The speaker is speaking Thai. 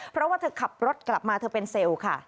เพราะว่าเธอขับรถกลับมาเธอเป็นเซลล์ค่ะ